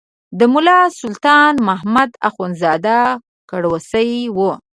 د ملا سلطان محمد اخندزاده کړوسی و.